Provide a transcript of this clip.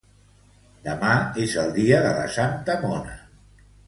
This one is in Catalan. Demà és el dia de la santa mona